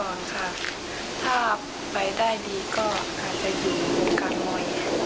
ตอนนี้ก็อยากลองดูก่อนค่ะถ้าไปได้ดีก็อาจจะอยู่การมวย